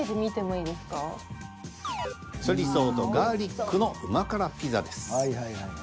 チョリソ―とガ―リックの旨辛ピザです。